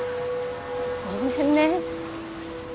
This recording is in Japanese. ごめんね。